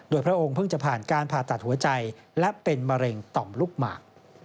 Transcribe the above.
โดยพระองค์เพิ่งจะผ่านการผ่าตัดหัวใจและเป็นมะเร็งต่อมลูกหมาก